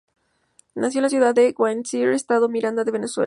Nació en la ciudad de Guatire, Estado Miranda de Venezuela.